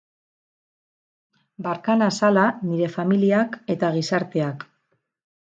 Barka nazala nire familiak eta gizarteak.